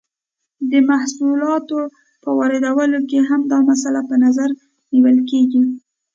د محصولاتو په واردولو کې هم دا مسئله په نظر نیول کیږي.